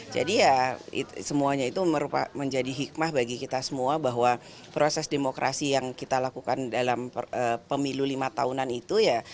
jadi ya semuanya itu menjadi hikmah bagi kita semua bahwa proses demokrasi yang kita lakukan dalam pemilu lima tahunan itu ya